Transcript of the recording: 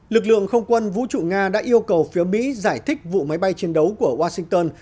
lực lượng không quân vũ trụ nga đã yêu cầu phía mỹ giải thích vụ máy bay chiến đấu của washington